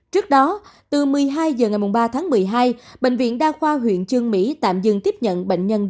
trước đó từ một mươi hai h ngày ba tháng một mươi hai bệnh viện đa khoa huyện trương mỹ tạm dừng tiếp nhận bệnh nhân